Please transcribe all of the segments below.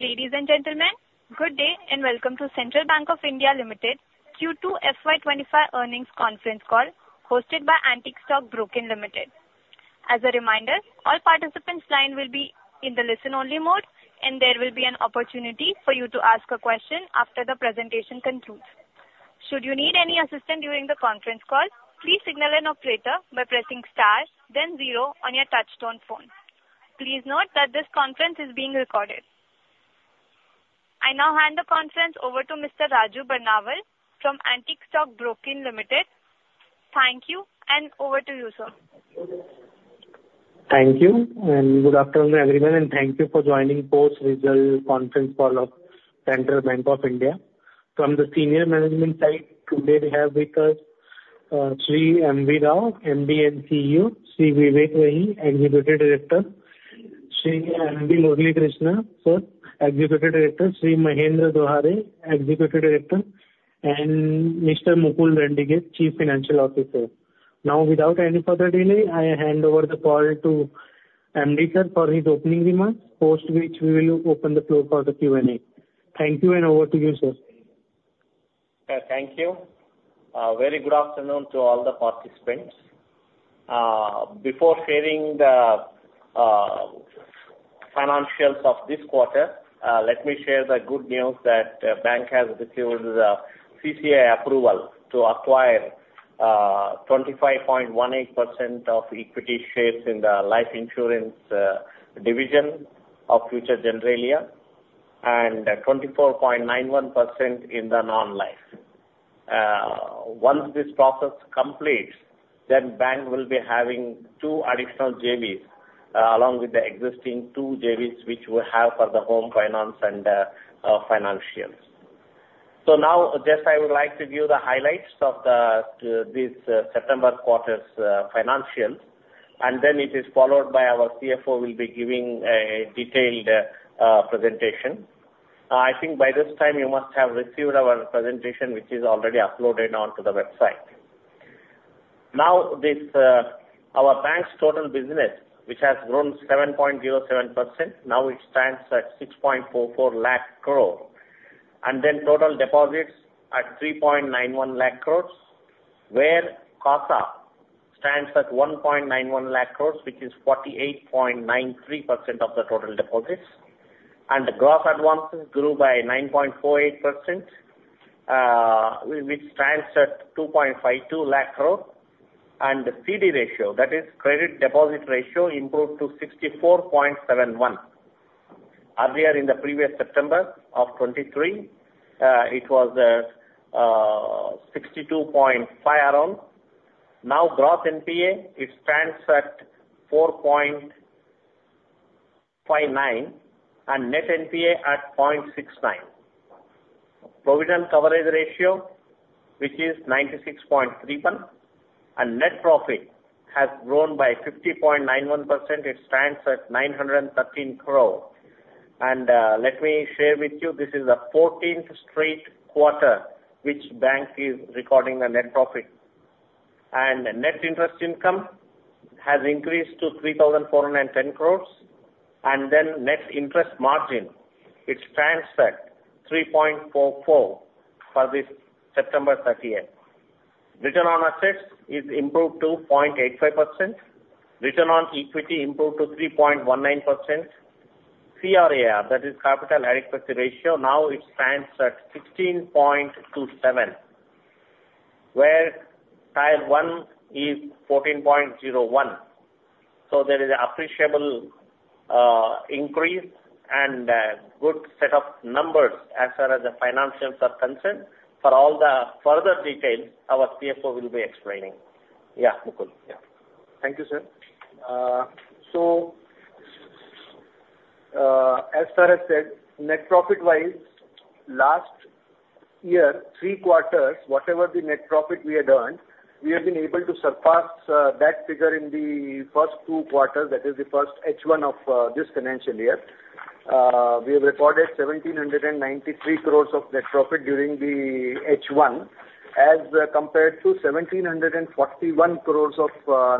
Ladies and gentlemen, good day, and welcome to Central Bank of India Limited, Q2 FY25 earnings conference call, hosted by Antique Stock Broking Limited. As a reminder, all participants' line will be in the listen-only mode, and there will be an opportunity for you to ask a question after the presentation concludes. Should you need any assistance during the conference call, please signal an operator by pressing star then zero on your touchtone phone. Please note that this conference is being recorded. I now hand the conference over to Mr. Raju Barnawal from Antique Stock Broking Limited. Thank you, and over to you, sir. Thank you, and good afternoon, everyone, and thank you for joining post-result conference call of Central Bank of India. From the senior management side, today we have with us, Shri M. V. Rao, MD and CEO, Shri Vivek Wahi, Executive Director, Shri M. V. Murali Krishna, sir, Executive Director, Shri Mahendra Dohare, Executive Director, and Mr. Mukul Dandige, Chief Financial Officer. Now, without any further delay, I hand over the call to MD, sir, for his opening remarks, post which we will open the floor for the Q&A. Thank you, and over to you, sir. Thank you. Very good afternoon to all the participants. Before sharing the financials of this quarter, let me share the good news that Bank has received the CCI approval to acquire 25.18% of equity shares in the life insurance division of Future Generali, and 24.91% in the non-life. Once this process completes, then Bank will be having two additional JVs along with the existing two JVs, which we have for the home finance and financials. So now, just I would like to give the highlights of this September quarter's financials, and then it is followed by our CFO will be giving a detailed presentation. I think by this time, you must have received our presentation, which is already uploaded onto the website. Now, this, our Bank's total business, which has grown 7.07%, now it stands at 6.44 lakh crore. And then total deposits at 3.91 lakh crores, where CASA stands at 1.91 lakh crores, which is 48.93% of the total deposits. And the gross advances grew by 9.48%, which stands at 2.52 lakh crore. And the CD ratio, that is, credit deposit ratio, improved to 64.71. Earlier in the previous September of 2023, it was 62.5 around. Now, gross NPA, it stands at 4.59, and net NPA at 0.69. Provision coverage ratio, which is 96.31%, and net profit has grown by 50.91%. It stands at 913 crore. Let me share with you, this is the 14th straight quarter which the Bank is recording a net profit. Net interest income has increased to 3,410 crores, and then net interest margin, it stands at 3.44% for this September thirtieth. Return on assets is improved to 0.85%. Return on equity improved to 3.19%. CRAR, that is capital adequacy ratio, now it stands at 16.27%, where Tier 1 is 14.01%. So there is appreciable increase and good set of numbers as far as the financials are concerned. For all the further details, our CFO will be explaining. Yeah, Mukul, yeah. Thank you, sir. So, as far as said, net profit-wise, last year, three quarters, whatever the net profit we had earned, we have been able to surpass that figure in the first two quarters, that is the first H1 of this financial year. We have recorded 1,793 crores of net profit during the H1, as compared to 1,741 crores of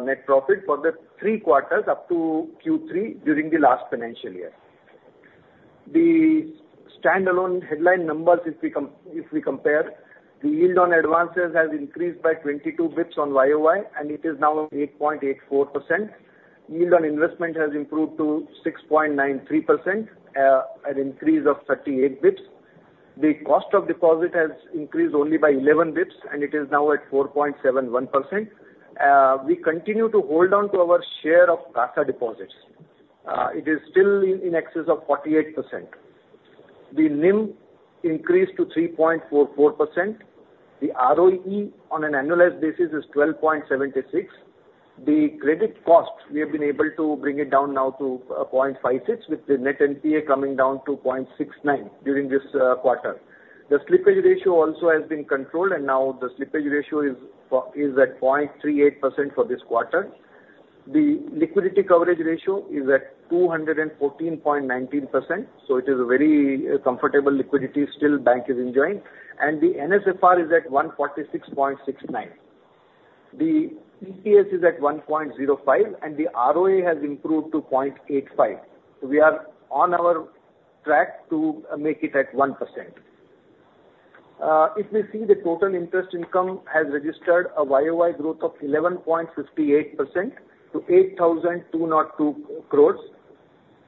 net profit for the three quarters up to Q3 during the last financial year. The standalone headline numbers, if we compare, the yield on advances has increased by 22 basis points on YOY, and it is now 8.84%. Yield on investment has improved to 6.93%, an increase of 38 basis points. The cost of deposit has increased only by 11 basis points, and it is now at 4.71%. We continue to hold on to our share of CASA deposits. It is still in excess of 48%. The NIM increased to 3.44%. The ROE on an annualized basis is 12.76%. The credit cost, we have been able to bring it down now to 0.56, with the net NPA coming down to 0.69 during this quarter. The slippage ratio also has been controlled, and now the slippage ratio is at 0.38% for this quarter. The liquidity coverage ratio is at 214.19%, so it is a very comfortable liquidity still bank is enjoying. And the NSFR is at 146.69%. The EPS is at 1.05, and the ROA has improved to 0.85. So we are on our track to make it at 1%. If we see the total interest income has registered a YOY growth of 11.58% to 8,202 crores.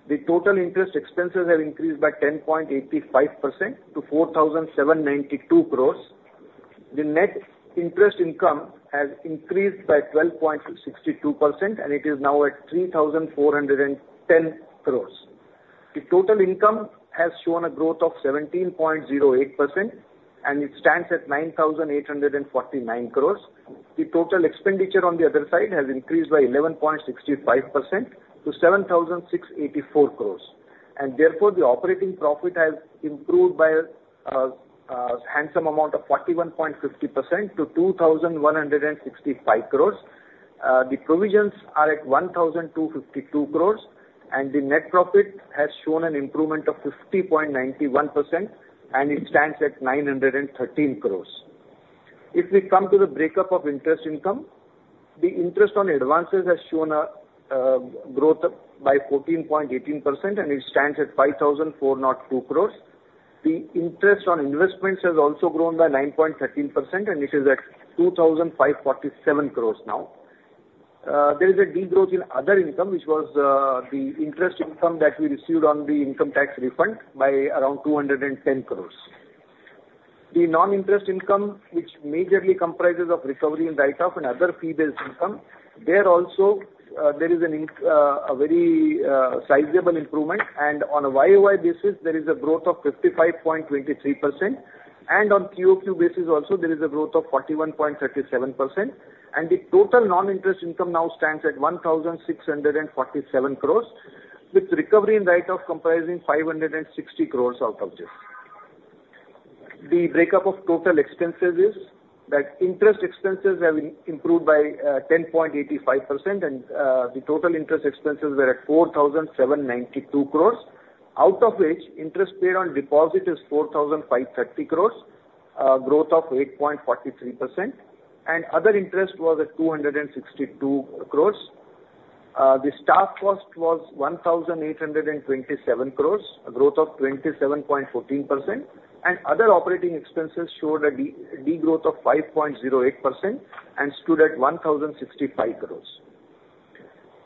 The total interest expenses have increased by 10.85% to 4,792 crores. The net interest income has increased by 12.62%, and it is now at 3,410 crores. The total income has shown a growth of 17.08%, and it stands at 9,849 crores. The total expenditure on the other side has increased by 11.65% to 7,684 crores, and therefore, the operating profit has improved by handsome amount of 41.50% to 2,165 crores. The provisions are at 1,252 crores, and the net profit has shown an improvement of 50.91%, and it stands at 913 crores. If we come to the breakup of interest income, the interest on advances has shown a growth by 14.18%, and it stands at 5,402 crores. The interest on investments has also grown by 9.13%, and it is at 2,547 crores now. There is a degrowth in other income, which was the interest income that we received on the income tax refund by around 210 crore. The non-interest income, which majorly comprises of recovery and write-off and other fee-based income, there also there is a very sizable improvement, and on a YOY basis, there is a growth of 55.23%, and on QOQ basis also, there is a growth of 41.37%, and the total non-interest income now stands at 1,647 crore, with recovery and write-off comprising 560 crore out of this. The breakup of total expenses is that interest expenses have improved by 10.85%, and the total interest expenses were at 4,792 crores, out of which interest paid on deposit is 4,530 crores, growth of 8.43%, and other interest was at 262 crores. The staff cost was 1,827 crores, a growth of 27.14%, and other operating expenses showed a degrowth of 5.08% and stood at 1,065 crores.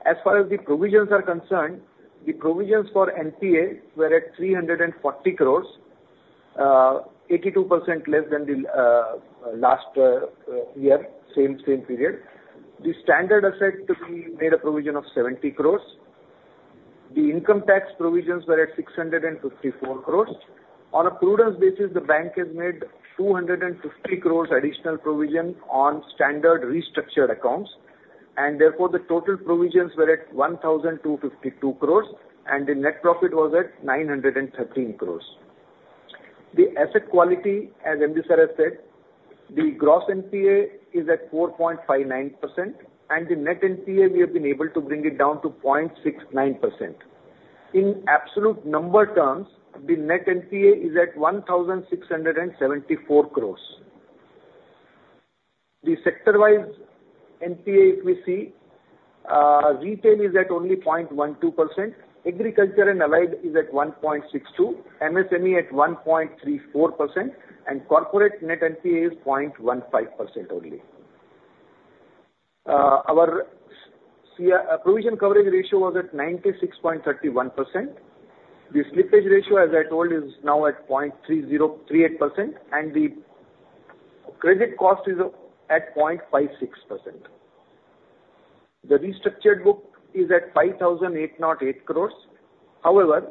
As far as the provisions are concerned, the provisions for NPA were at 340 crores, 82% less than the last year, same period. The standard asset to be made a provision of 70 crores. The income tax provisions were at 654 crores. On a prudence basis, the bank has made 250 crores additional provision on standard restructured accounts, and therefore, the total provisions were at 1,252 crores, and the net profit was at 913 crores. The asset quality, as MD. sir has said, the gross NPA is at 4.59%, and the net NPA, we have been able to bring it down to 0.69%. In absolute number terms, the net NPA is at 1,674 crores. The sector-wise NPA, if we see, retail is at only 0.12%, agriculture and allied is at 1.62%, MSME at 1.34%, and corporate net NPA is 0.15% only. Our PCR provision coverage ratio was at 96.31%. The slippage ratio, as I told, is now at 0.3038%, and the credit cost is at 0.56%. The restructured book is at 5,808 crore. However,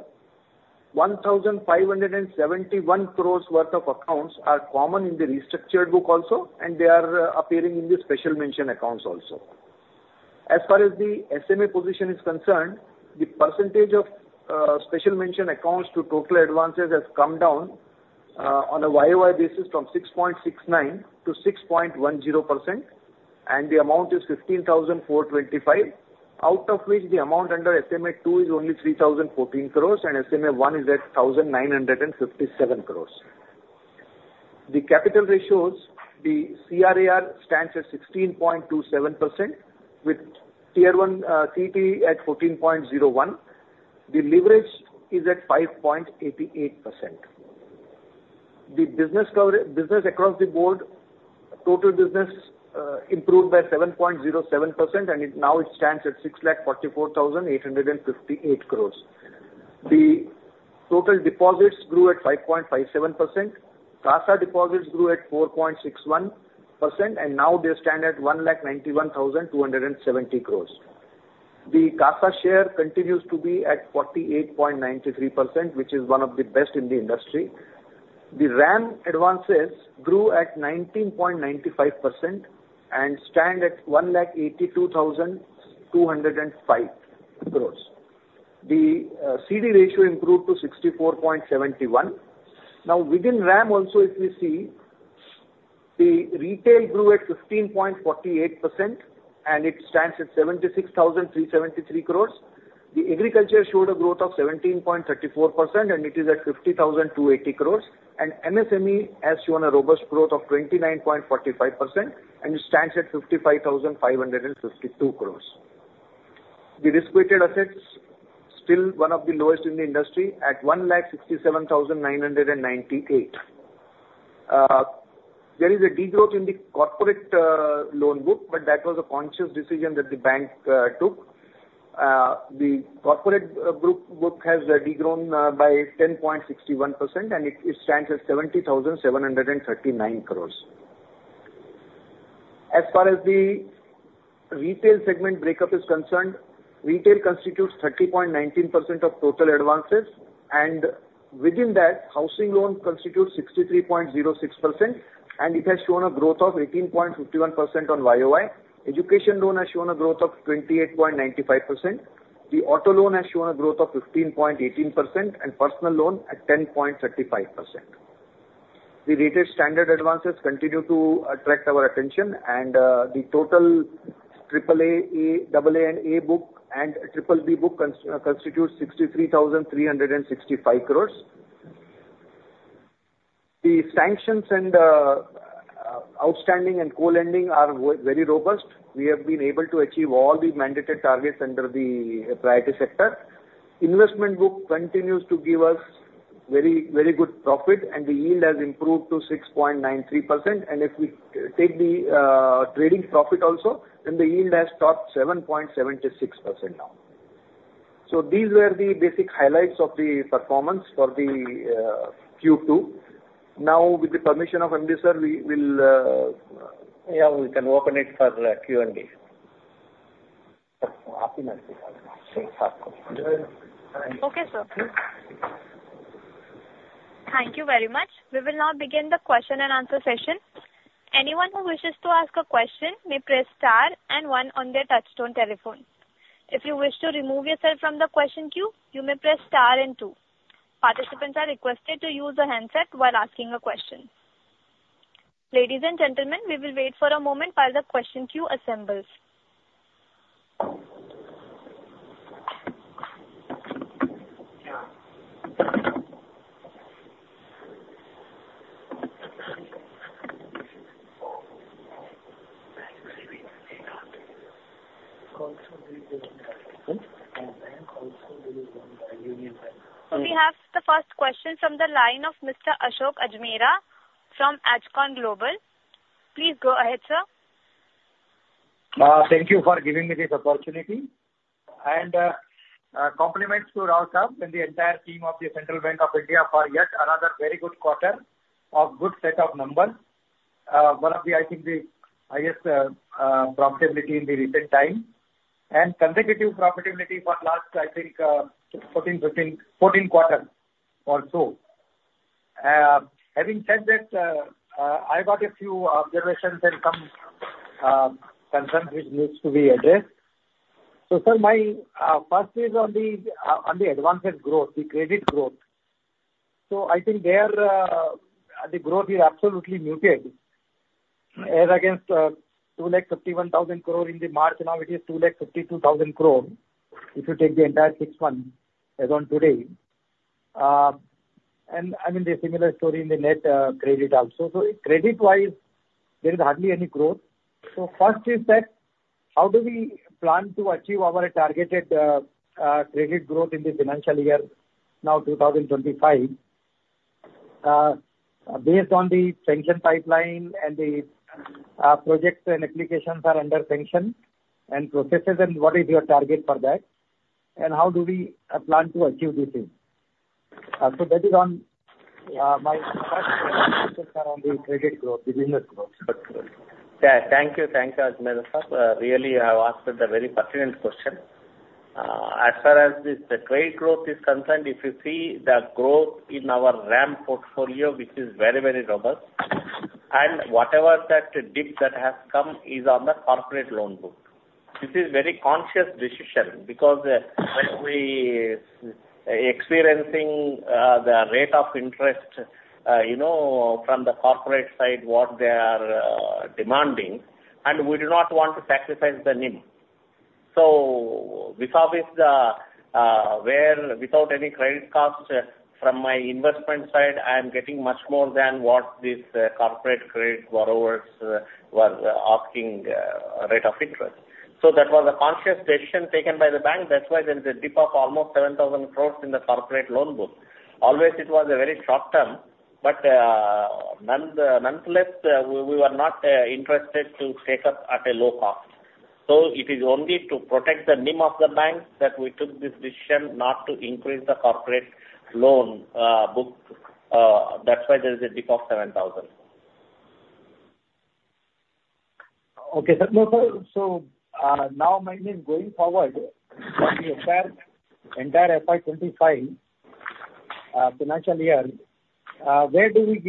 1,571 crore worth of accounts are common in the restructured book also, and they are appearing in the special mention accounts also. As far as the SMA position is concerned, the percentage of special mention accounts to total advances has come down on a YOY basis from 6.69% to 6.10%, and the amount is 15,425 crore, out of which the amount under SMA-2 is only 3,014 crore and SMA-1 is at 1,957 crore. The capital ratios, the CRAR stands at 16.27%, with Tier 1, CET1 at 14.01%. The leverage is at 5.88%. The business across the board, total business, improved by 7.07%, and now it stands at 6,44,858 crore. The total deposits grew at 5.57%. CASA deposits grew at 4.61%, and now they stand at 1,91,270 crore. The CASA share continues to be at 48.93%, which is one of the best in the industry. The RAM advances grew at 19.95% and stand at 1,82,205 crore. The CD ratio improved to 64.71. Now, within RAM also, if we see, the retail grew at 15.48%, and it stands at 76,373 crores. The agriculture showed a growth of 17.34%, and it is at 50,280 crores, and MSME has shown a robust growth of 29.45%, and it stands at 55,552 crores. The risk-weighted assets, still one of the lowest in the industry, at 1,67,998. There is a degrowth in the corporate loan book, but that was a conscious decision that the bank took. The corporate group book has degrown by 10.61%, and it stands at 70,739 crores. As far as the retail segment breakup is concerned, retail constitutes 30.19% of total advances, and within that, housing loans constitute 63.06%, and it has shown a growth of 18.51% on YOY. Education loan has shown a growth of 28.95%. The auto loan has shown a growth of 15.18% and personal loan at 10.35%. The rated standard advances continue to attract our attention, and the total AAA, A, AA, and A book and BBB book constitutes 63,365 crores. The sanctions and outstanding and co-lending are very robust. We have been able to achieve all the mandated targets under the priority sector. Investment book continues to give us very, very good profit, and the yield has improved to 6.93%, and if we take the trading profit also, then the yield has topped 7.76% now. So these were the basic highlights of the performance for the Q2. Now, with the permission of MD, sir, we will. Yeah, we can open it for Q&A. Okay, sir. Thank you very much. We will now begin the question and answer session. Anyone who wishes to ask a question may press star and one on their touchtone telephone. If you wish to remove yourself from the question queue, you may press star and two. Participants are requested to use the handset while asking a question. Ladies and gentlemen, we will wait for a moment while the question queue assembles. So we have the first question from the line of Mr. Ashok Ajmera from Ajcon Global. Please go ahead, sir. Thank you for giving me this opportunity, and compliments to Rao sir and the entire team of the Central Bank of India for yet another very good quarter of good set of numbers. One of the, I think, the highest profitability in the recent time, and consecutive profitability for last, I think, fourteen, fifteen, fourteen quarters or so. Having said that, I got a few observations and some concerns which needs to be addressed. So sir, my first is on the advances growth, the credit growth. So I think the growth is absolutely muted, as against two lakh fifty-one thousand crore in the March, now it is two lakh fifty-two thousand crore, if you take the entire six months as on today. And I mean, the similar story in the net credit also. So credit wise, there is hardly any growth. So first is that, how do we plan to achieve our targeted credit growth in the financial year, now two thousand twenty-five? Based on the sanction pipeline and the projects and applications are under sanction and processes, and what is your target for that, and how do we plan to achieve this thing? So that is on my first questions are on the credit growth, the business growth. Yeah. Thank you. Thank you, Ajmera sir. Really, you have asked a very pertinent question. As far as this, the credit growth is concerned, if you see the growth in our RAM portfolio, which is very, very robust, and whatever that dip that has come is on the corporate loan book. This is very conscious decision because, as we experiencing, the rate of interest, you know, from the corporate side, what they are demanding, and we do not want to sacrifice the NIM. So with obvious, where without any credit cost from my investment side, I am getting much more than what these corporate credit borrowers were asking rate of interest. So that was a conscious decision taken by the bank. That's why there is a dip of almost seven thousand crores in the corporate loan book. Always, it was a very short term, but nonetheless, we were not interested to take up at a low cost. So it is only to protect the NIM of the bank that we took this decision not to increase the corporate loan book. That's why there is a dip of seven thousand. Okay, sir. No, sir, so now maybe going forward from the entire FY 2025 financial year, where do we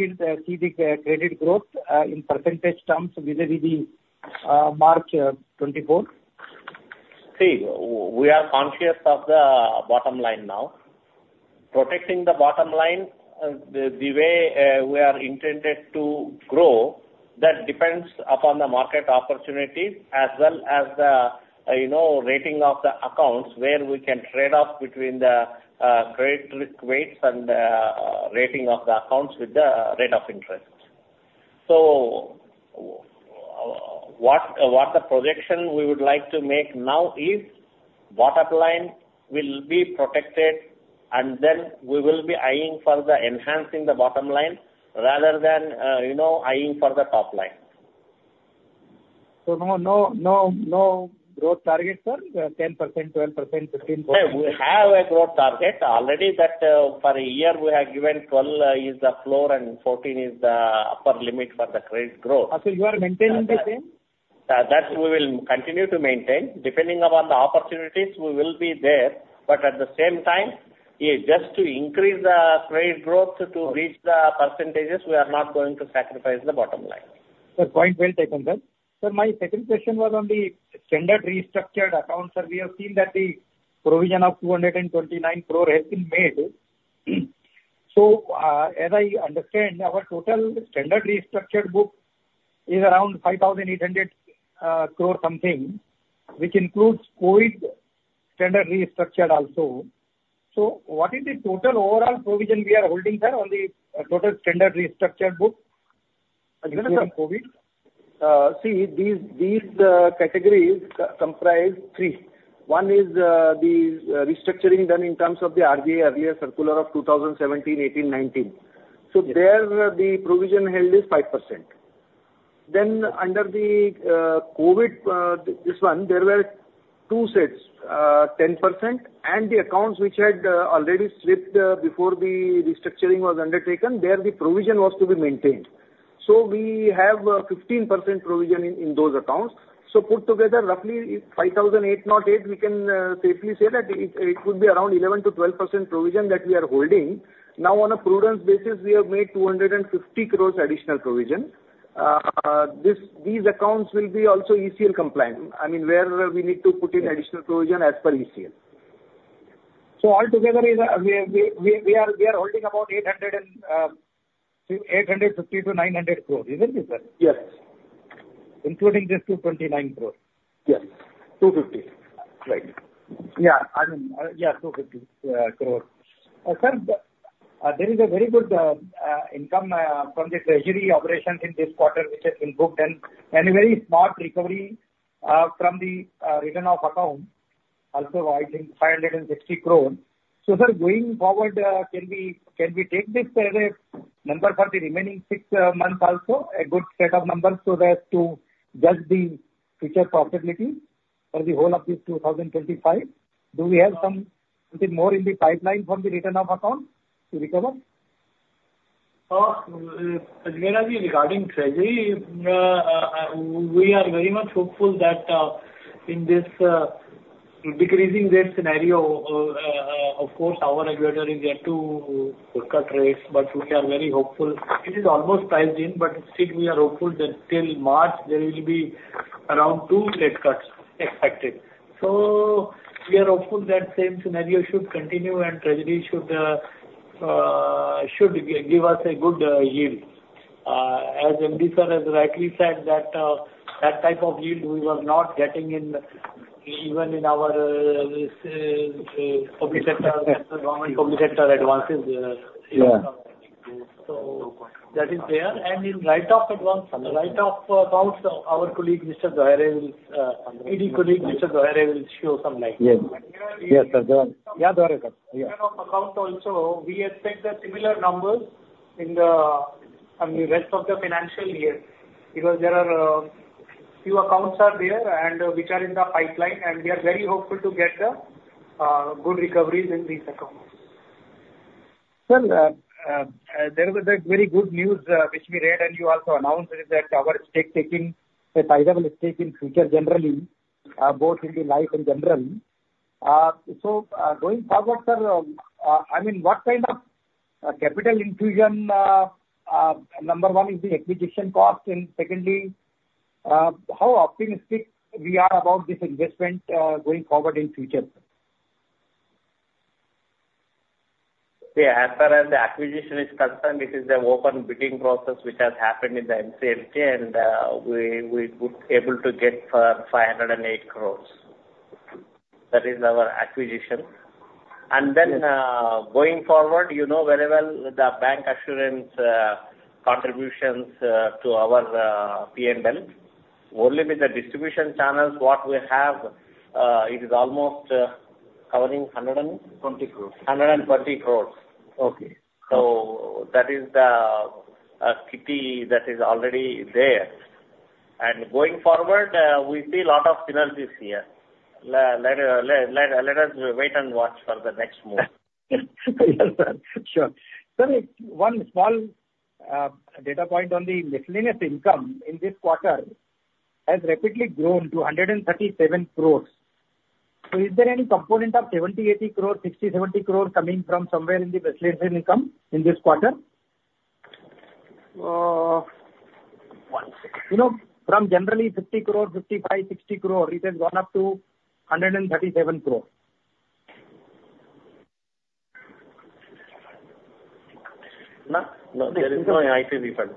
see the credit growth in percentage terms vis-a-vis March 2024? See, we are conscious of the bottom line now... protecting the bottom line, the way we are intended to grow, that depends upon the market opportunity as well as the, you know, rating of the accounts, where we can trade off between the credit risk weights and rating of the accounts with the rate of interest. So, what the projection we would like to make now is bottom line will be protected, and then we will be eyeing for enhancing the bottom line rather than, you know, eyeing for the top line. So no, no, no, no growth target, sir? 10%, 12%, 15%. Hey, we have a growth target. Already that, for a year we have given 12, is the floor and 14 is the upper limit for the credit growth. You are maintaining the same? That we will continue to maintain. Depending upon the opportunities, we will be there, but at the same time, just to increase the trade growth to reach the percentages, we are not going to sacrifice the bottom line. Sir, point well taken, sir. Sir, my second question was on the standard restructured accounts. Sir, we have seen that the provision of 229 crore has been made. So, as I understand, our total standard restructured book is around 5,800 crore something, which includes COVID standard restructured also. So what is the total overall provision we are holding, sir, on the total standard restructured book? See, these categories comprise three. One is the restructuring done in terms of the RBI, earlier circular of two thousand seventeen, eighteen, nineteen. Yes. So there, the provision held is 5%. Then under the, COVID, this one, there were two sets, 10%, and the accounts which had, already slipped, before the restructuring was undertaken, there the provision was to be maintained. So we have, 15% provision in, in those accounts. So put together roughly 5,808, we can, safely say that it, it could be around 11%-12% provision that we are holding. Now, on a prudent basis, we have made 250 crore additional provision. This, these accounts will be also ECL compliant. I mean, where we need to put in additional provision as per ECL. So altogether, we are holding about 850-900 crore, isn't it, sir? Yes. Including this 229 crores? Yes. 250, right? Yeah. I mean, yeah, 250 crore. Sir, there is a very good income from the treasury operations in this quarter, which has been booked, and a very smart recovery from the written-off account, also I think 560 crore. So sir, going forward, can we take this as a number for the remaining six months also, a good set of numbers so as to judge the future profitability for the whole of this two thousand and twenty-five? Do we have something more in the pipeline from the written-off account to recover? Regarding treasury, we are very much hopeful that in this decreasing rate scenario, of course, our regulator is yet to cut rates, but we are very hopeful. It is almost priced in, but still we are hopeful that till March there will be around two rate cuts expected. So we are hopeful that same scenario should continue and treasury should give us a good yield. As MD sir has rightly said, that type of yield we were not getting in even in our public sector advances. Yeah. So that is there. And in write-off accounts, our colleague, Mr. Dohare, our ED colleague, will show some light. Yes. Yes, sir. Yeah, Dohare, sir. Yeah. Account also, we expect the similar numbers in the, on the rest of the financial year, because there are few accounts are there and which are in the pipeline, and we are very hopeful to get the good recoveries in these accounts. Sir, there was a very good news, which we read and you also announced, is that our stake taking, a sizable stake in Future Generali, both in the life and general. So, going forward, sir, I mean, what kind of capital infusion, number one, is the acquisition cost, and secondly, how optimistic we are about this investment, going forward in future? Yeah, as far as the acquisition is concerned, it is an open bidding process which has happened in the NCLT, and we were able to get 508 crores. That is our acquisition. And then, going forward, you know very well the bancassurance contributions to our PNL. Only with the distribution channels, what we have, it is almost covering 100 and- Twenty crores. 120 crores. Okay. So that is the kitty that is already there. And going forward, we see a lot of synergies here. Let us wait and watch for the next move. Sure. Sir, one small data point on the miscellaneous income in this quarter has rapidly grown to 137 crores. So is there any component of 70-80 crore, 60-70 crore coming from somewhere in the miscellaneous income in this quarter?... you know, from generally 50 crore, 55, 60 crore, it has gone up to 137 crore. No? No, there is no IT refund.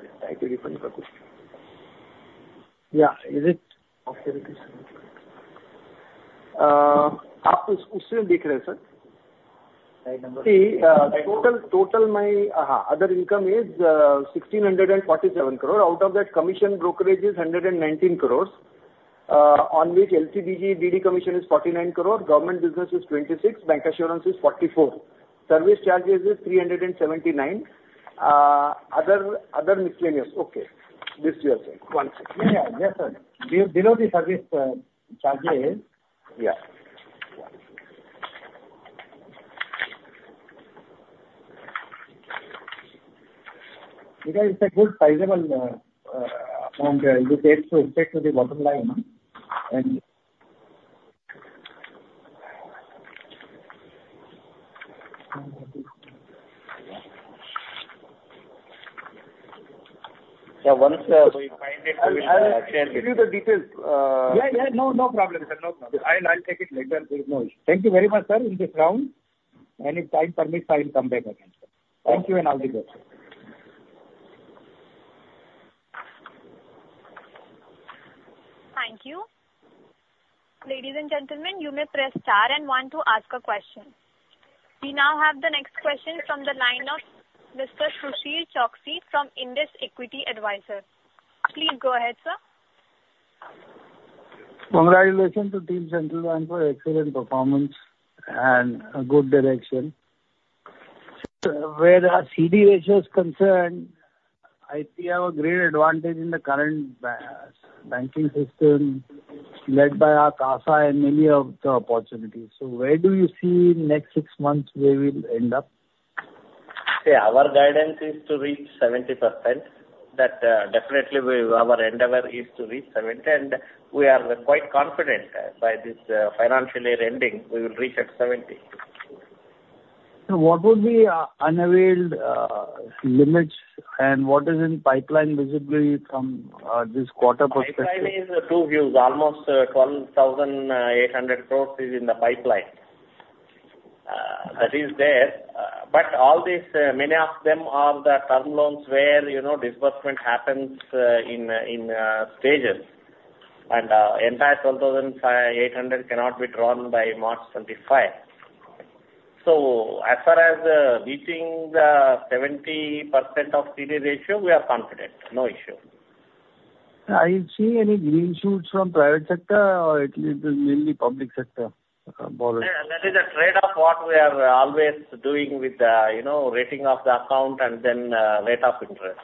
Yeah, is it? Total other income is INR 1,647 crore. Out of that, commission brokerage is INR 119 crores, on which LC/BG/DD commission is INR 49 crore, government business is INR 26 crore, bancassurance is INR 44 crore. Service charges is INR 379 crore. Other miscellaneous. Okay, this we have here. One second. Yeah, yeah. Yes, sir. Below the service charges. Yeah. It is a good sizable, from the, you take to the bottom line, you know? And... Yeah, once, we find it- I'll give you the details. Yeah, yeah. No, no problem, sir. No problem. I'll, I'll take it later. No issue. Thank you very much, sir, in this round, and if time permits, I will come back again. Thank you, and all the best. Thank you. Ladies and gentlemen, you may press Star and One to ask a question. We now have the next question from the line of Mr. Sushil Choksey from Indus Equity Advisors. Please go ahead, sir. Congratulations to Team Central Bank for excellent performance and a good direction. Sir, where CASA issues are concerned, I see you have a great advantage in the current banking system led by our CASA and maybe of the opportunities, so where do you see in next six months we will end up? Yeah, our guidance is to reach 70%. That, definitely, we, our endeavor is to reach 70, and we are quite confident by this financial year ending, we will reach at 70. So what would be unveiled limits and what is in pipeline visibility from this quarter perspective? Pipeline is to be used. Almost 12,800 crores is in the pipeline. That is there, but all these, many of them are the term loans where, you know, disbursement happens in stages, and entire 12,800 cannot be drawn by March 2025. So as far as reaching the 70% CD ratio, we are confident. No issue. Are you seeing any green shoots from private sector or at least it is mainly public sector borrowers? Yeah, that is a trade-off, what we are always doing with the, you know, rating of the account and then, rate of interest.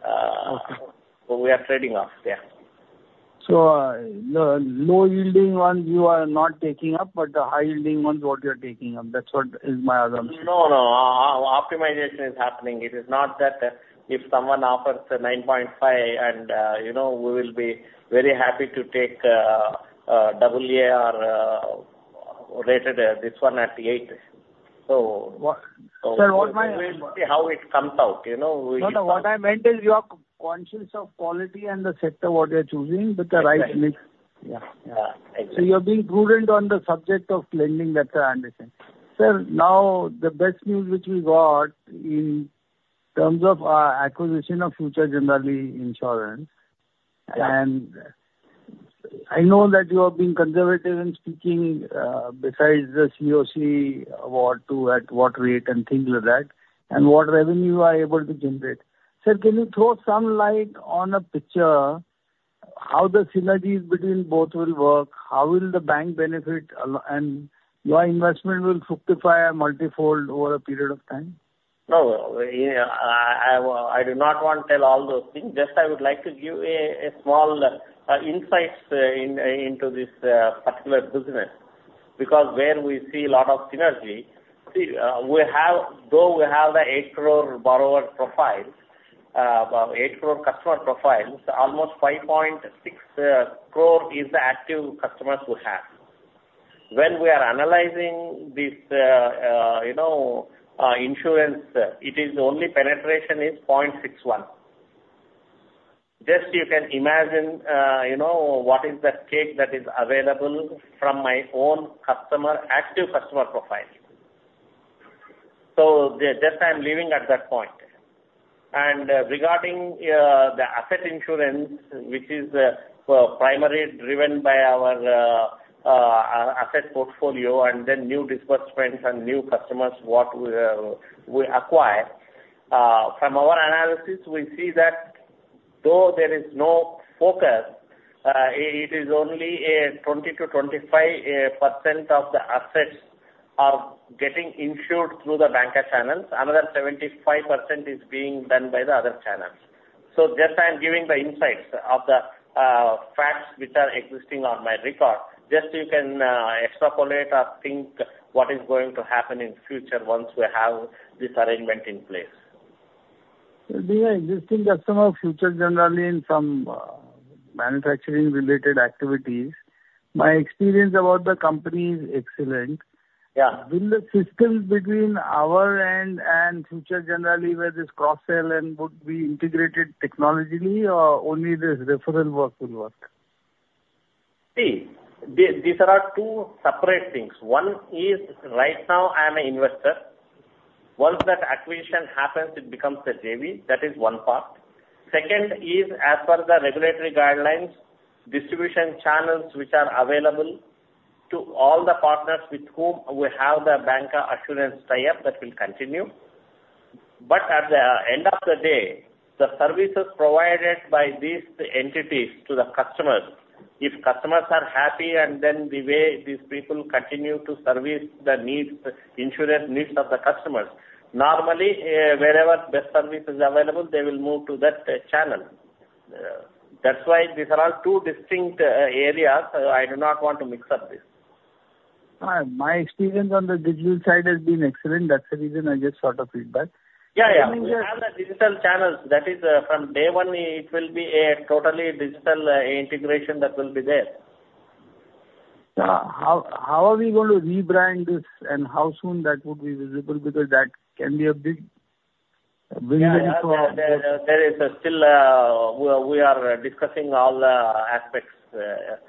Okay. So we are trading off. Yeah. The low-yielding ones you are not taking up, but the high-yielding ones, what you are taking up? That's what is my assumption. No, no. Optimization is happening. It is not that if someone offers a nine point five and, you know, we will be very happy to take AA rated this one at eight. So- Sir, what my- We will see how it comes out, you know? No, no. What I meant is you have conscious of quality and the sector, what you're choosing, with the right mix. Yeah. Yeah. Exactly. So you are being prudent on the subject of lending, that I understand. Sir, now, the best news which we got in terms of acquisition of Future Generali Insurance. Yeah. And I know that you have been conservative in speaking, besides the COC, at what rate and things like that, and what revenue you are able to generate. Sir, can you throw some light on a picture, how the synergies between both will work? How will the bank benefit, and your investment will justify multifold over a period of time? No, I do not want to tell all those things. Just I would like to give a small insights into this particular business, because where we see a lot of synergy, we have. Though we have the eight crore borrower profile, about eight crore customer profiles, almost five point six crore is the active customers we have. When we are analyzing this, you know, insurance, it is only penetration is point six one. Just you can imagine, you know, what is the cake that is available from my own customer, active customer profile. So just I'm leaving at that point. Regarding the asset insurance, which is primarily driven by our asset portfolio and then new disbursements and new customers what we acquire, from our analysis, we see that though there is no focus, it is only a 20-25% of the assets are getting insured through the banker channels. Another 75% is being done by the other channels. Just I'm giving the insights of the facts which are existing on my record. Just you can extrapolate or think what is going to happen in future once we have this arrangement in place. So the existing customer, Future Generali, in some manufacturing related activities. My experience about the company is excellent. Yeah. Will the system between our end and Future Generali, where this cross sell and would be integrated technologically or only this referral work will work? See, these are two separate things. One is, right now, I am an investor. Once that acquisition happens, it becomes a JV. That is one part. Second is, as per the regulatory guidelines, distribution channels which are available to all the partners with whom we have the bancassurance tie-up, that will continue. But at the end of the day, the services provided by these entities to the customers, if customers are happy, and then the way these people continue to service the needs, insurance needs of the customers, normally, wherever best service is available, they will move to that channel. That's why these are all two distinct areas. I do not want to mix up this. My experience on the digital side has been excellent. That's the reason I just sought a feedback. Yeah, yeah. I mean that- We have the digital channels. That is, from day one, it will be a totally digital, integration that will be there. How are we going to rebrand this, and how soon that would be visible? Because that can be a big thing for- Yeah, there is still, we are discussing all the aspects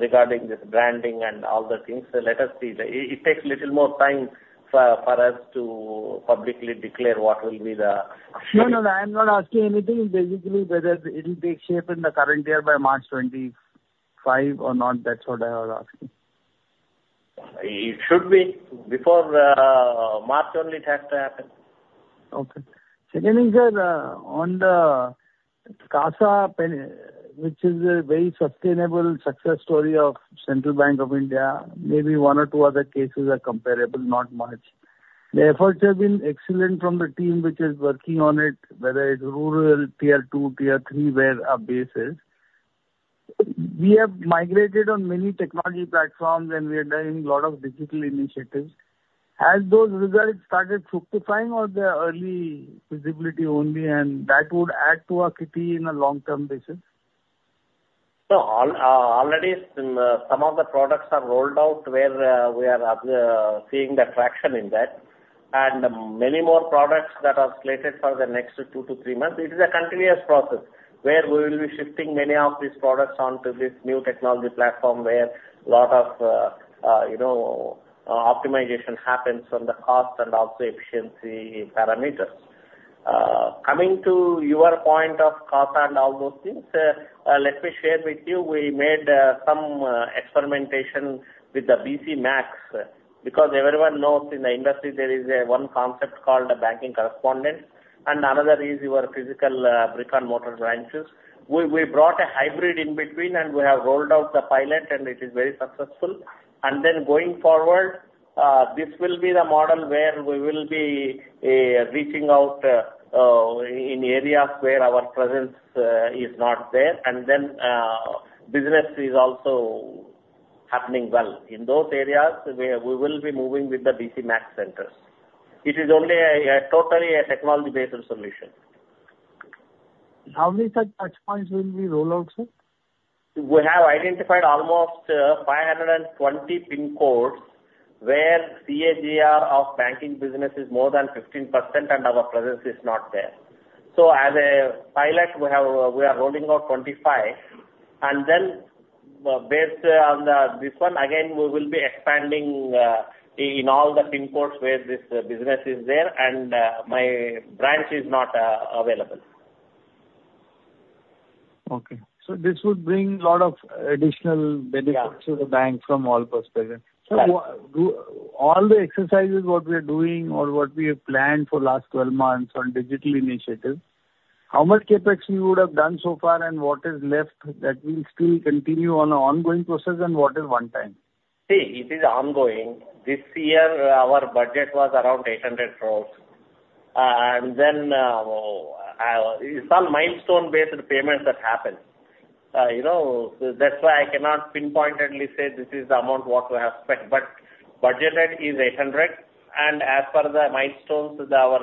regarding this branding and all the things. So let us see. It takes little more time for us to publicly declare what will be the- No, no, I am not asking anything. Basically, whether it will take shape in the current year by March 2025 or not? That's what I was asking. It should be. Before March, only it has to happen. Okay. Second thing, sir, on the CASA penetration which is a very sustainable success story of Central Bank of India, maybe one or two other cases are comparable, not much. The efforts have been excellent from the team which is working on it, whether it's rural, tier two, tier three, where our base is. We have migrated on many technology platforms, and we are doing a lot of digital initiatives. Has those results started fructifying or the early visibility only, and that would add to our kitty in a long-term basis? No. Already some of the products are rolled out, where we are seeing the traction in that, and many more products that are slated for the next two to three months. It is a continuous process, where we will be shifting many of these products onto this new technology platform, where a lot of, you know, optimization happens on the cost and also efficiency parameters. Coming to your point of CASA and all those things, let me share with you, we made some experimentation with the BC MAX, because everyone knows in the industry there is one concept called a banking correspondent, and another is your physical brick-and-mortar branches. We brought a hybrid in between, and we have rolled out the pilot, and it is very successful. And then going forward, this will be the model where we will be reaching out in areas where our presence is not there, and then business is also happening well. In those areas, we will be moving with the BC MAX centers. It is only a totally technology-based solution. How many such touchpoints will we roll out, sir? We have identified almost 520 PIN codes, where CAGR of banking business is more than 15%, and our presence is not there. So as a pilot, we are rolling out 25, and then based on this one, again, we will be expanding in all the PIN codes where this business is there and my branch is not available. Okay. So this would bring a lot of additional- Yeah Benefits to the bank from all perspectives. Right. What do all the exercises—what we are doing or what we have planned for the last twelve months on digital initiatives—how much CapEx we would have done so far, and what is left that will still continue on an ongoing process, and what is one time? See, it is ongoing. This year, our budget was around 800 crores, and then some milestone-based payments that happened. You know, that's why I cannot pinpointedly say this is the amount what we have spent, but budgeted is 800, and as per the milestones that our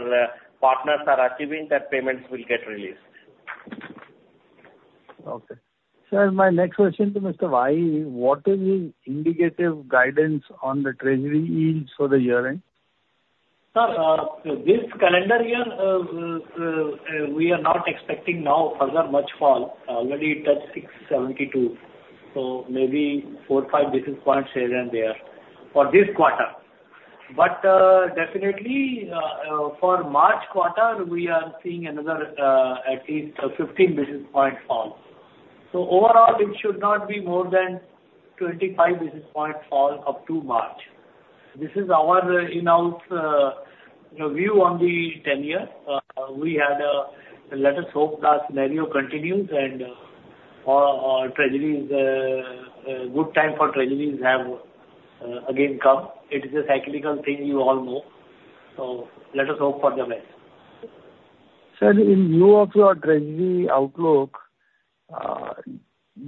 partners are achieving, that payments will get released. Okay. Sir, my next question to Mr. Wahi: What is the indicative guidance on the treasury yields for the year-end? Sir, this calendar year, we are not expecting now further much fall. Already it touched 6.72, so maybe 4-5 basis points here and there for this quarter. But, definitely, for March quarter, we are seeing another, at least 15 basis point fall. So overall, it should not be more than 25 basis point fall up to March. This is our in-house, you know, view on the tenure. Let us hope that scenario continues, and our treasury is good time for treasuries have again come. It is a cyclical thing, you all know, so let us hope for the best. Sir, in view of your treasury outlook,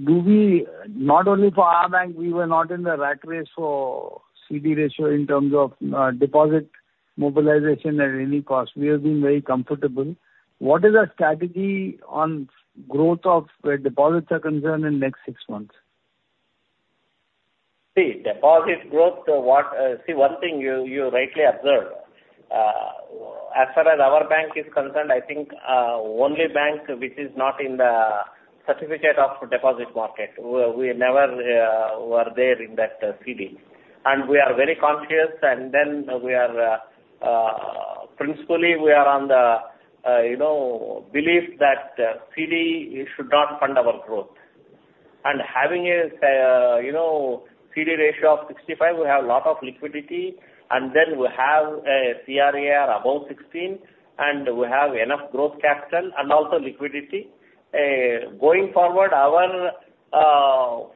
do we, not only for our bank, we were not in the rat race for CD ratio in terms of, deposit mobilization at any cost. We have been very comfortable. What is our strategy on growth of where deposits are concerned in next six months? See, deposit growth, what, see, one thing you rightly observed, as far as our bank is concerned, I think, only bank which is not in the certificate of deposit market. We never were there in that CD. And we are very conscious, and then we are principally, we are on the, you know, belief that, CD should not fund our growth. And having a, you know, CD ratio of 65, we have a lot of liquidity, and then we have a CRAR above 16, and we have enough growth capital and also liquidity. Going forward, our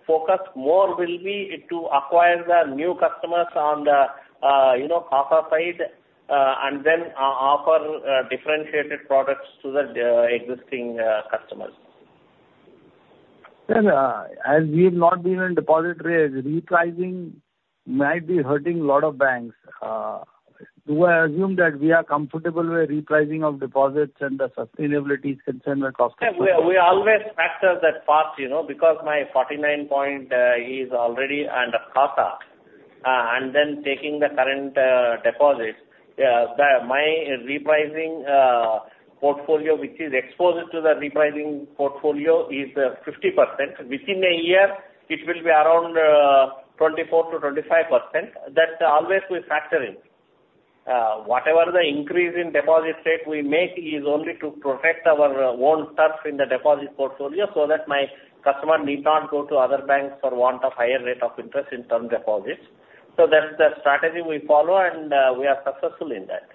focus more will be to acquire the new customers on the, you know, CASA side, and then offer differentiated products to the existing customers. Then, as we've not been in deposit rate, repricing might be hurting a lot of banks. Do I assume that we are comfortable with repricing of deposits and the sustainability is concerned with cost of...? Yeah, we always factor that part, you know, because my 49% is already under CASA. And then taking the current deposit, the my repricing portfolio, which is exposed to the repricing portfolio, is 50%. Within a year, it will be around 24% to 25%. That always we factor in. Whatever the increase in deposit rate we make is only to protect our own turf in the deposit portfolio so that my customer need not go to other banks for want of higher rate of interest in term deposits. So that's the strategy we follow, and we are successful in that.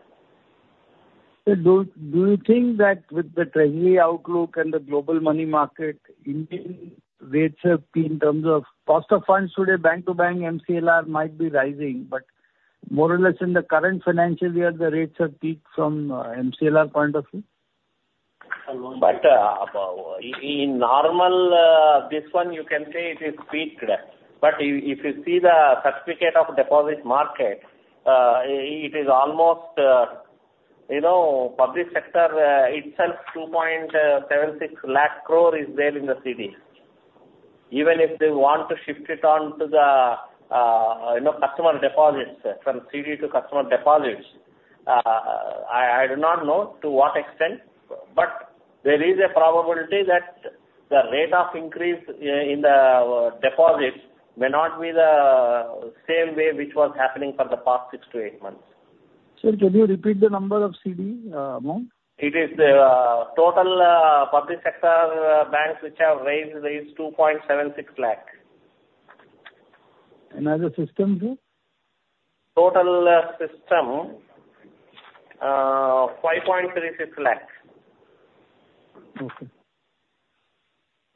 Sir, do you think that with the treasury outlook and the global money market, Indian rates have been in terms of cost of funds today, bank-to-bank MCLR might be rising, but more or less in the current financial year, the rates have peaked from MCLR point of view? But, in normal, this one you can say it is peaked. But if you see the certificate of deposit market, it is almost, you know, public sector itself, 2.76 lakh crore is there in the CD. Even if they want to shift it on to the, you know, customer deposits, from CD to customer deposits, I do not know to what extent, but there is a probability that the rate of increase in the deposits may not be the same way which was happening for the past six to eight months. Sir, could you repeat the number of CD amount? It is total public sector banks which have raised is 2.76 lakh. And as a system, sir? Total system, 5.36 lakh. Okay.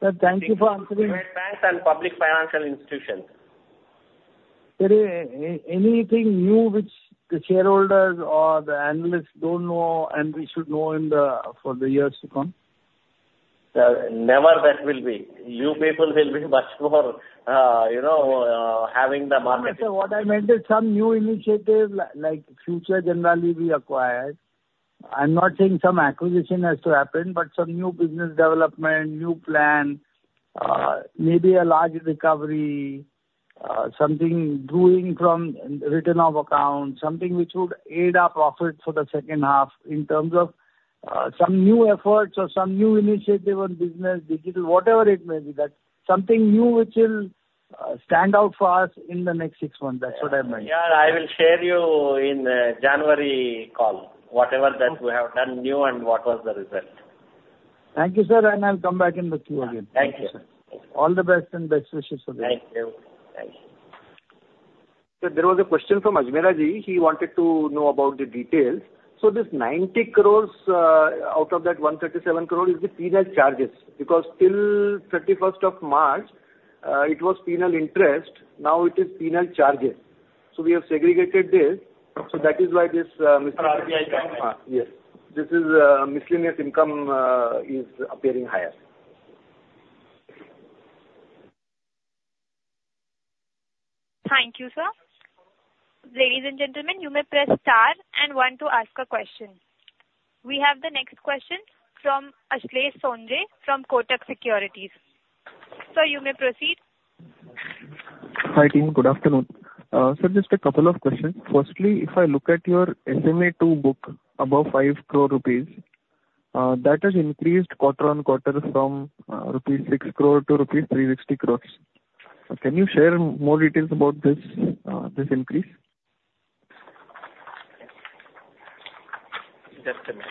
Sir, thank you for answering- Banks and public financial institutions. Sir, anything new which the shareholders or the analysts don't know and we should know in the, for the years to come? Never that will be. You people will be much more, you know, having the market. Sir, what I meant is some new initiative, like Future Generali we acquire. I'm not saying some acquisition has to happen, but some new business development, new plan, maybe a large recovery, something doing from written-off accounts, something which would aid our profit for the second half in terms of, some new efforts or some new initiative on business, digital, whatever it may be, that something new which will stand out for us in the next six months. That's what I meant. Yeah, I will share you in January call, whatever that we have done new and what was the result. Thank you, sir, and I'll come back to you again. Thank you, sir. All the best and best wishes for the- Thank you. Thank you. Sir, there was a question from Ajmera ji. He wanted to know about the details. So this ninety crores, out of that one thirty-seven crore is the penal charges, because till thirty-first of March, it was penal interest, now it is penal charges. So we have segregated this, so that is why this. RBI fine. Yes. This is miscellaneous income is appearing higher. Thank you, sir. Ladies and gentlemen, you may press Star and One to ask a question. We have the next question from Ashlesh Sonde, from Kotak Securities. Sir, you may proceed. Hi, team. Good afternoon. So just a couple of questions. Firstly, if I look at your SMA-2 book above 5 crore rupees, that has increased quarter on quarter from rupees 6 crore to rupees 360 crores. So can you share more details about this increase? Just a minute.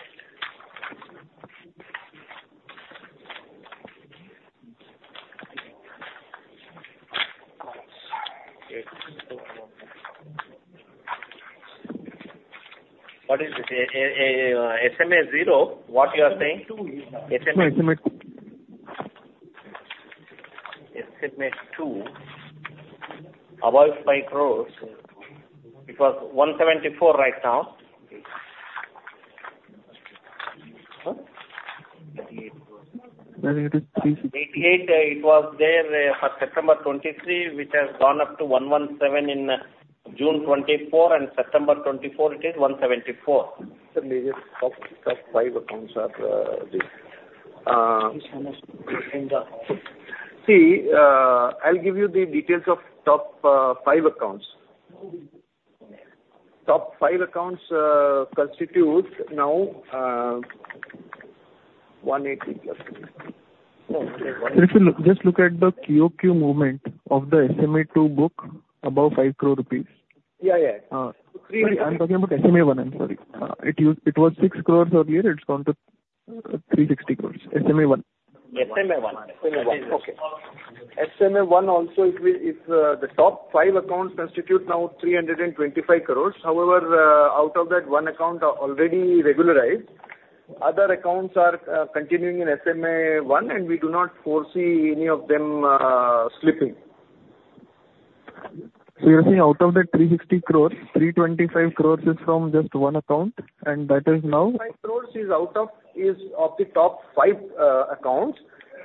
What is this? SMA-0, what you are saying? SMA-2. SMA- SMA-2. SMA-2, above five crores, it was 174 right now. ... Huh? Very good, please. 88, it was there for September 2023, which has gone up to 117 in June 2024, and September 2024, it is 174. Sir, the top five accounts are, this- See, I'll give you the details of top five accounts. Top five accounts constitutes now 180 plus. Sir, if you look, just look at the QOQ movement of the SMA-2 book above 5 crore rupees. Yeah, yeah. Sorry, I'm talking about SMA-1, I'm sorry. It was six crores earlier, it's gone to 360 crores, SMA-1. SMA-1. Okay. SMA-1 also, it's the top five accounts constitute now 325 crore. However, out of that, one account are already regularized. Other accounts are continuing in SMA-1, and we do not foresee any of them slipping. So you're saying out of the 360 crores, 325 crores is from just one account, and that is now? Five crores is out of the top five accounts.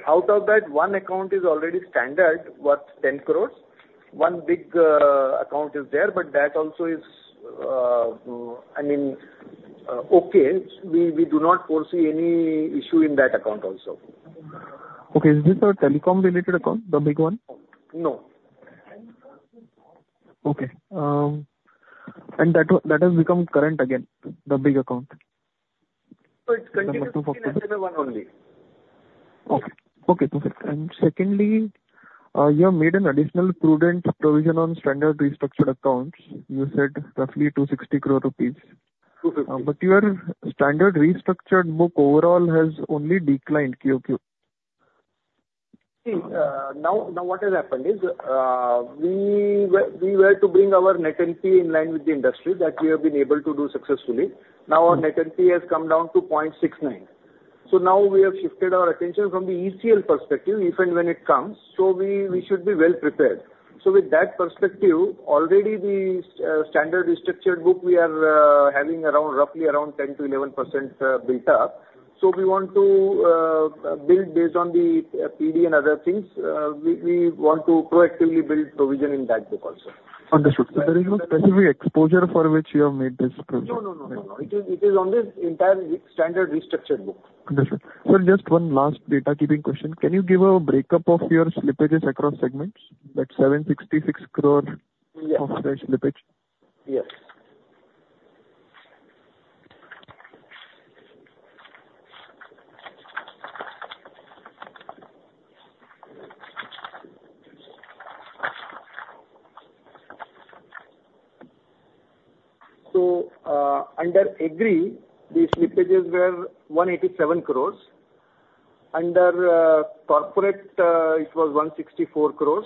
Out of that, one account is already standard, worth 10 crores. One big account is there, but that also is, I mean, okay. We do not foresee any issue in that account also. Okay. Is this a telecom-related account, the big one? No. Okay. And that has become current again, the big account? It's continuing- The number of SMA. SMA-1 only. Okay. Okay, perfect. And secondly, you have made an additional prudent provision on standard restructured accounts. You said roughly 260 crore rupees. Mm-hmm. But your standard restructured book overall has only declined QOQ. See, now what has happened is, we were to bring our Net NPA in line with the industry that we have been able to do successfully. Mm-hmm. Now, our net NPA has come down to 0.69. So now we have shifted our attention from the ECL perspective, if and when it comes, so we should be well prepared. So with that perspective, already the standard restructured book, we are having around, roughly around 10%-11% built up. So we want to build based on the PD and other things. We want to proactively build provision in that book also. Understood. So there is no specific exposure for which you have made this provision? No, no, no, no, no. It is, it is on the entire restructured book. Understood. Sir, just one last data-keeping question. Can you give a breakup of your slippages across segments, that 766 crore? Yeah. Of the slippage? Yes. So, under Agri, the slippages were 187 crores. Under, corporate, it was 164 crores.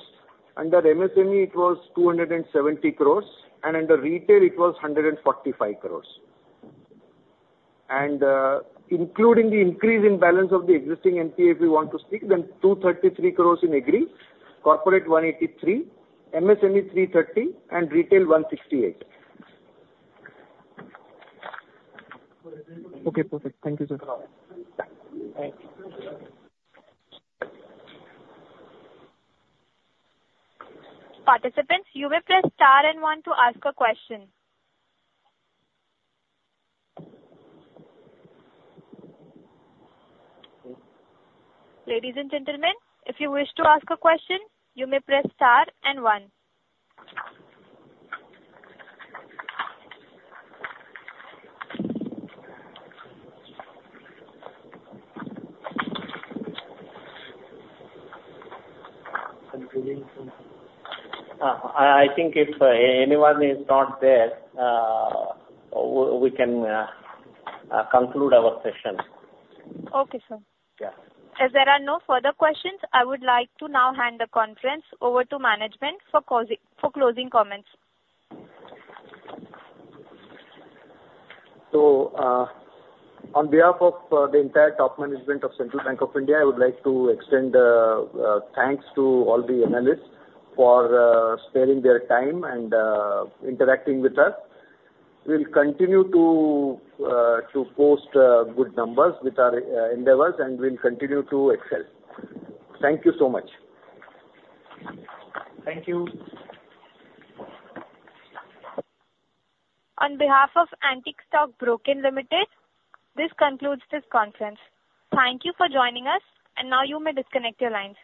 Under MSME, it was 270 crores, and under retail, it was 145 crores. And, including the increase in balance of the existing NPA, if you want to speak, then 233 crores in Agri, corporate 183, MSME 330, and retail 168. Okay, perfect. Thank you, sir. No problem. Thanks. Participants, you may press Star and One to ask a question. Ladies and gentlemen, if you wish to ask a question, you may press Star and One. I think if anyone is not there, we can conclude our session. Okay, sir. Yeah. As there are no further questions, I would like to now hand the conference over to management for closing comments. So, on behalf of the entire top management of Central Bank of India, I would like to extend thanks to all the analysts for sparing their time and interacting with us. We'll continue to post good numbers with our endeavors, and we'll continue to excel. Thank you so much. Thank you. On behalf of Antique Stock Broking Limited, this concludes this conference. Thank you for joining us, and now you may disconnect your lines.